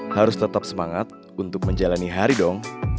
harus tetap semangat untuk menjalani hari dong